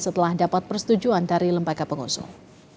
setelah dapat persetujuan dari lembaga pengusung